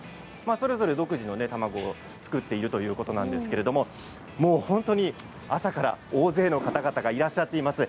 それぞれ独自の卵を作っているということなんですけれどももう本当に朝から大勢の方々がいらっしゃっています。